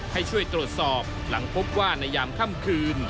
ให้ช่วยตรวจสอบหลังพบว่าในยามค่ำคืน